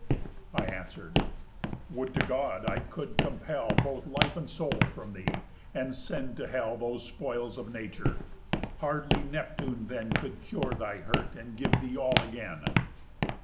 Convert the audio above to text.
I answer'd: 'Would to God! I could compell Both life and soul from thee, and send to hell Those spoils of nature! Hardly Neptune then Could cure thy hurt, and give thee all again.